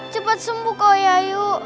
cepat sembuh kau ya ayu